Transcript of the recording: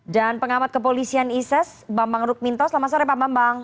dan pengamat kepolisian isis bambang rukminto selamat sore pak bambang